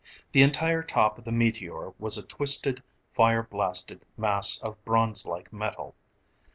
The entire top of the meteor was a twisted, fire blasted mass of bronze like metal.